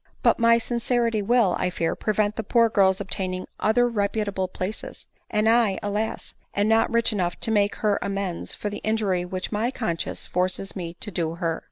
" But my sincerity will, I fear, prevent the poor girl's obtaining other reputable places; and I, alas! am not rich enough to make her amends for the injury which my conscience forces me to do her.